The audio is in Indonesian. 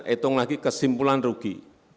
hitung lagi kesimpulan rugi